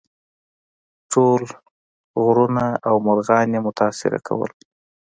ټول غرونه او مرغان یې متاثر کول.